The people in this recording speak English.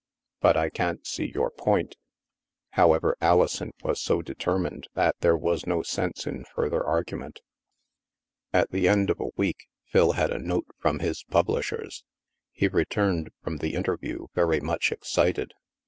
But I can't see your point." However, Alison was so determined that there was no sense in further argument. At the end of a week, Phil had a note from his publishers. He returned from the interview very much excited.